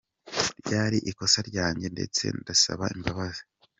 Ryari ikosa ryanjye, ndetse ndasaba imbabazi.